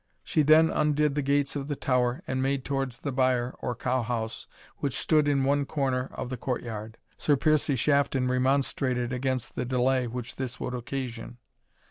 She then undid the gates of the tower, and made towards the byre, or cow house, which stood in one corner of the courtyard. Sir Piercie Shafton remonstrated against the delay which this would occasion.